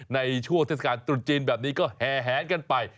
ในช่วงเทศกาลตรุษจีนแบบนี้ก็แห่แหนกันไป